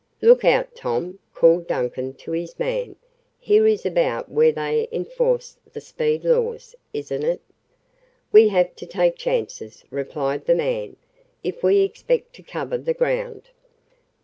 "Look out, Tom!" called Duncan to his man. "Here is about where they enforce the speed laws, isn't it?" "We have to take chances," replied the man, "if we expect to cover the ground."